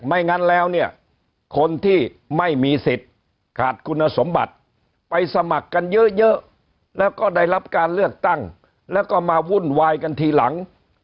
ไม่งั้นแล้วเนี่ยคนที่ไม่มีสิทธิ์ขาดคุณสมบัติไปสมัครกันเยอะแล้วก็ได้รับการเลือกตั้งแล้วก็มาวุ่นวายกันทีหลัง